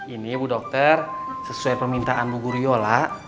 ini bu dokter sesuai permintaan bu guriyola